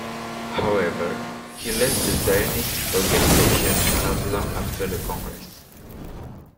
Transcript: However, he left the Zionist Organization not long after the Congress.